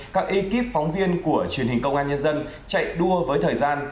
các ekip phóng viên của truyền hình công an nhân dân chạy đua với thời gian